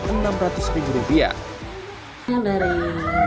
kain dengan benang benang katung benang klos